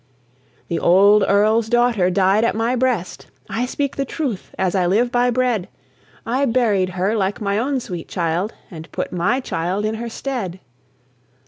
"The old Earl's daughter died at my breast; I speak the truth, as I live by bread! I buried her like my own sweet child, And put my child in her stead."